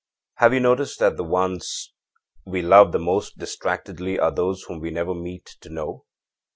âHave you ever noticed that the ones we would love the most distractedly are those whom we never meet to know?